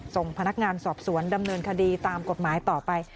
ส่งพนักงานสอบสวนดำเนินคดีตามกฎหมายต่อไป